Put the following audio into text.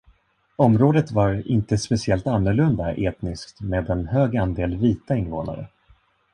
Området var "inte speciellt annorlunda" etniskt med en hög andel vita invånare.